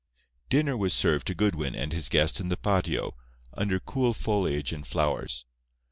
Dinner was served to Goodwin and his guest in the patio, under cool foliage and flowers.